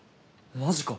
マジか。